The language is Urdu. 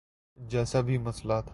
جیسا بھی مسئلہ تھا۔